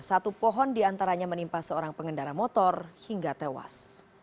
satu pohon diantaranya menimpa seorang pengendara motor hingga tewas